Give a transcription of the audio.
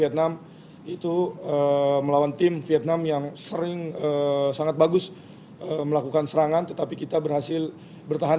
dalam hal bertahan